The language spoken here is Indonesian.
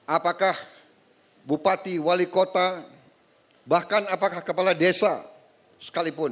apakah bupati wali kota bahkan apakah kepala desa sekalipun